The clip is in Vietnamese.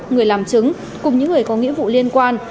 người làm chứng cùng những người có nghĩa vụ liên quan